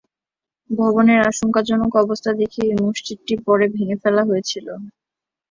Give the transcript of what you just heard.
ভবনের আশঙ্কাজনক অবস্থা দেখে এই মসজিদটি পরে ভেঙে ফেলা হয়েছিল।